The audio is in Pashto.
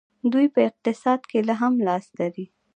دوی په اقتصاد کې هم لاس لري.